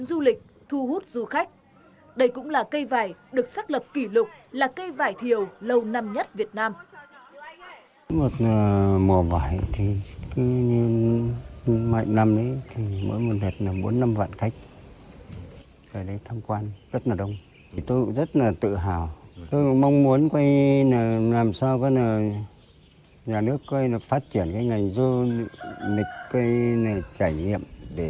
du lịch thu hút du khách đây cũng là cây vải được xác lập kỷ lục là cây vải thiều lâu năm nhất việt nam